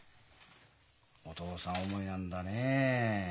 お父さん思いなんだねえ。